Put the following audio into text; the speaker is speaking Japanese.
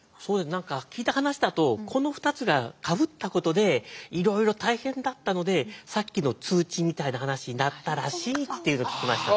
何か聞いた話だとこの２つがかぶったことでいろいろ大変だったのでさっきの通知みたいな話になったらしいっていうのを聞きました。